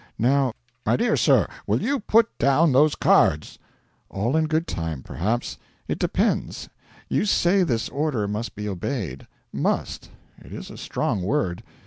Now ' 'My dear sir, will you put down those cards?' 'All in good time, perhaps. It depends. You say this order must be obeyed. Must. It is a strong word.